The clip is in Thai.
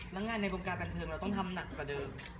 นักงานในกรมการแบรนด์เพลิงเราต้องทำหนักกว่าเดิม